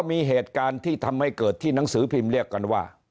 มีเหตุการณ์ที่ทำให้เกิดที่หนังสือพิมพ์เรียกกันว่า